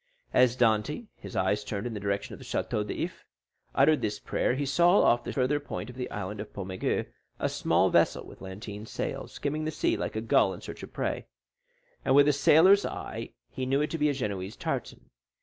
As Dantès (his eyes turned in the direction of the Château d'If) uttered this prayer, he saw off the farther point of the Island of Pomègue a small vessel with lateen sail skimming the sea like a gull in search of prey; and with his sailor's eye he knew it to be a Genoese tartan.